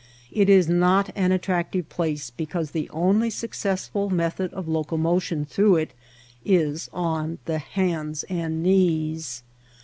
It is not an attractive place because the only suc cessful method of locomotion through it is on the hands and knees.